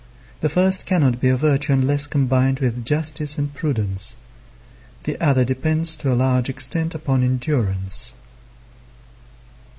The first cannot be a virtue unless combined with justice and prudence. The other depends to a large extent upon endurance.